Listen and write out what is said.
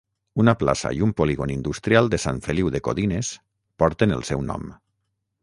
Una plaça i un polígon industrial de Sant Feliu de Codines porten el seu nom.